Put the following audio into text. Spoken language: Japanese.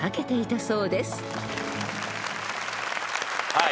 はい。